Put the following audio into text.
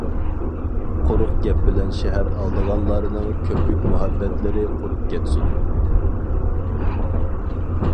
قۇرۇق گەپ بىلەن شەھەر ئالىدىغانلارنىڭ كۆپۈك مۇھەببەتلىرى قۇرۇپ كەتسۇن.